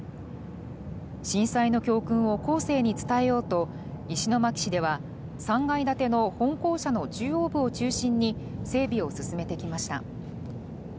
震災の教訓を後世に伝えようと石巻市では３階建ての本校舎の中央部を中心に整備を進めてきました。